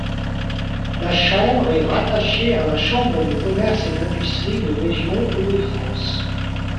La chambre est rattachée à la Chambre de commerce et d'industrie de région Hauts-de-France.